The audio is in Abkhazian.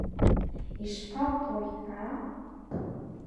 Ишԥаббои, аа?